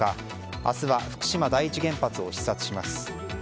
明日は福島第一原発を視察します。